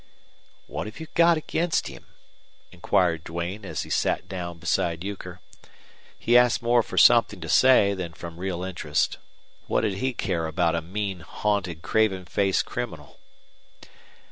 "What have you got against him?" inquired Duane, as he sat down beside Euchre. He asked more for something to say than from real interest. What did he care about a mean, haunted, craven faced criminal?